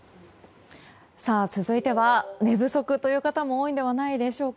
続いては寝不足という方も多いんではないでしょうか。